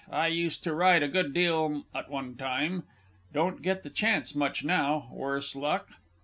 I used to ride a good deal at one time. Don't get the chance much now worse luck!